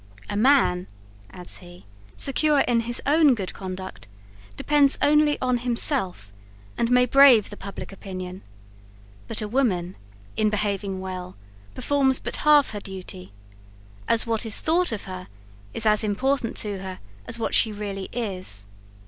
"A man," adds he, "secure in his own good conduct, depends only on himself, and may brave the public opinion; but a woman, in behaving well, performs but half her duty; as what is thought of her, is as important to her as what she really is.